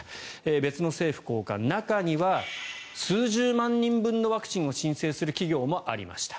別の政府高官中には数十万人分のワクチンを申請する企業もありました。